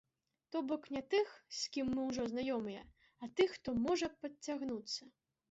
То бок не тых, з кім мы ўжо знаёмыя, а тых, хто можа падцягнуцца.